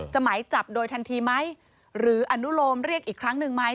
หมายจับโดยทันทีไหมหรืออนุโลมเรียกอีกครั้งหนึ่งไหม